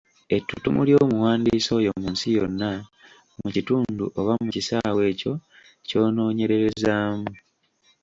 Ettuttumu ly’omuwandiisi oyo mu nsi yonna, mu kitundu oba mu kisaawe ekyo ky’onoonyererezaamu.